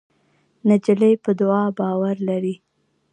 نجلۍ په دعا باور لري.